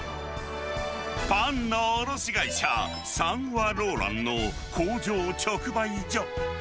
パンの卸会社、サンワローランの工場直売所。